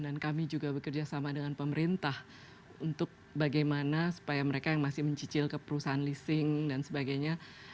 kami juga bekerja sama dengan pemerintah untuk bagaimana supaya mereka yang masih mencicil ke perusahaan leasing dan sebagainya